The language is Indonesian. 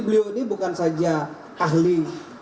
beliau ini bukan saja ahli